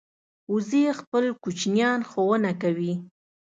وزې خپل کوچنیان ښوونه کوي